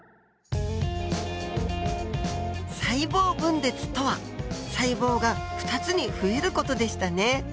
細胞分裂とは細胞が２つに増える事でしたね。